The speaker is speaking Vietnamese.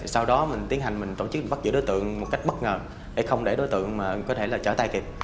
sau đó mình tiến hành mình tổ chức mình bắt giữ đối tượng một cách bất ngờ để không để đối tượng có thể là trở tay kịp